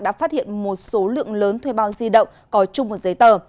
đã phát hiện một số lượng lớn thuê bao di động có chung một giấy tờ